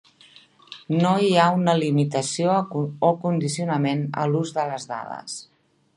No hi ha una limitació o condicionament a l'ús de dades.